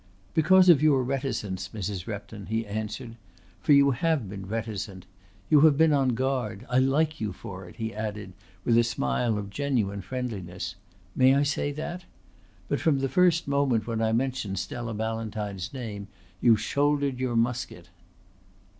"Because of your reticence, Mrs. Repton," he answered. "For you have been reticent. You have been on guard. I like you for it," he added with a smile of genuine friendliness. "May I say that? But from the first moment when I mentioned Stella Ballantyne's name you shouldered your musket."